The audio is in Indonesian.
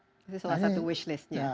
itu salah satu wish listnya